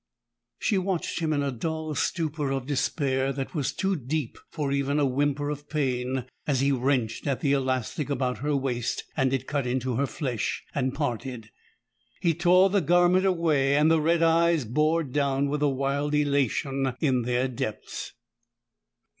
She watched him in a dull stupor of despair that was too deep for even a whimper of pain as he wrenched at the elastic about her waist, and it cut into her flesh and parted. He tore the garment away, and the red eyes bored down with a wild elation in their depths.